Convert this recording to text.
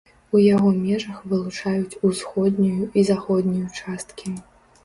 У яго межах вылучаюць усходнюю і заходнюю часткі.